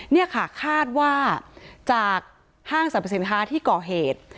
นี่ค่ะคาดว่าจากห้างสรรพสินค้าที่ก่อเหตุ